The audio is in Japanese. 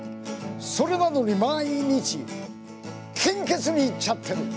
それなのに毎日献血に行っちゃってるの。